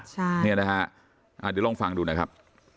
เดี๋ยวลองฟังดูนะครับ